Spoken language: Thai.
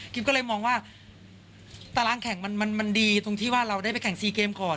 ก็เลยมองว่าตารางแข่งมันดีตรงที่ว่าเราได้ไปแข่งซีเกมก่อน